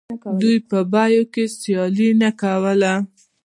دوی په بیو کې سیالي نه کوله